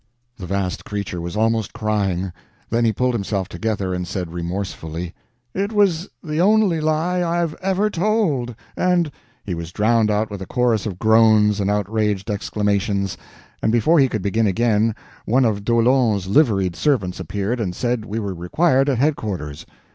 The vast creature was almost crying. Then he pulled himself together and said, remorsefully, "It was the only lie I've ever told, and—" He was drowned out with a chorus of groans and outraged exclamations; and before he could begin again, one of D'Aulon's liveried servants appeared and said we were required at headquarters.